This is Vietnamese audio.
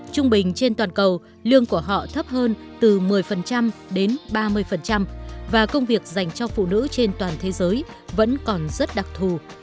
trung bình trên toàn cầu lương của họ thấp hơn từ một mươi đến ba mươi và công việc dành cho phụ nữ trên toàn thế giới vẫn còn rất đặc thù